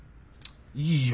いいよ。